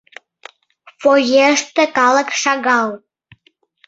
Фоеште калык шагал.